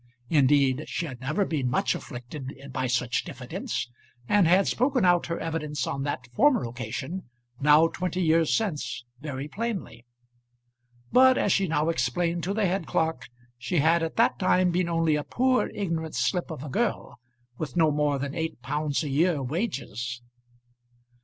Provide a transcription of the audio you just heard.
Indeed she had never been much afflicted by such diffidence, and had spoken out her evidence on that former occasion, now twenty years since, very plainly. But as she now explained to the head clerk, she had at that time been only a poor ignorant slip of a girl, with no more than eight pounds a year wages.